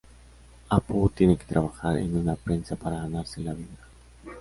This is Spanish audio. Apu tiene que trabajar en una prensa para ganarse la vida.